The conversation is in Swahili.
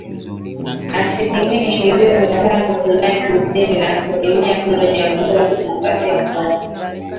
asilimia ishirini na tano Sudan Kusini na asilimia tano Jamhuri ya Kidemokrasia ya Kongo